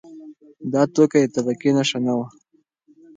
دا توکی د طبقې نښه نه وه.